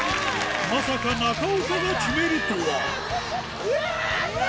まさか中岡が決めるとはやった！